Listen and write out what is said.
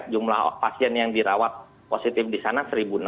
jumlah pasien yang dirawat positif di sana satu enam ratus